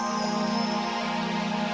aku akan mengingatmu